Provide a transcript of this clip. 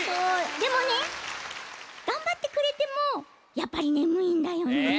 でもねがんばってくれてもやっぱりねむいんだよね。